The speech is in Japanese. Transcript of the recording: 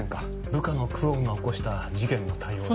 部下の久遠が起こした事件の対応で。